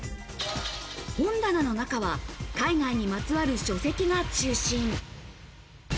本棚の中は海外にまつわる書籍が中心。